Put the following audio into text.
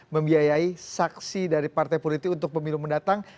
membiayai saksi dari partai politik untuk pemilu mendatang